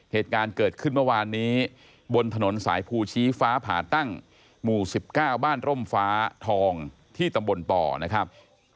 เหตุการณ์เกิดขึ้นเมื่อวานนี้บนถนนสายภูชี้ฟ้าผ่าตั้งหมู่๑๙บ้านร่มฟ้าทองที่ตำบลป่อนะครับ